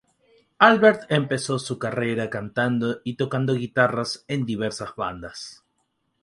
Albert empezó su carrera cantando y tocando la guitarra en diversas bandas.